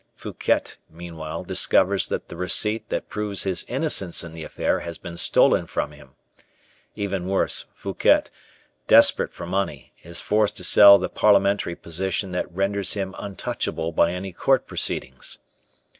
Fouquet, meanwhile, discovers that the receipt that proves his innocence in the affair has been stolen from him. Even worse, Fouquet, desperate for money, is forced to sell the parliamentary position that renders him untouchable by any court proceedings.